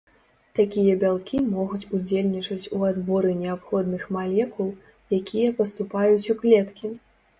Такія бялкі могуць удзельнічаць у адборы неабходных малекул, якія паступаюць у клеткі.